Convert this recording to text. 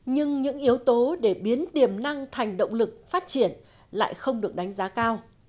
nhưng những yếu tố để biến tiềm năng thành động lực phát triển lại không được đánh giá cao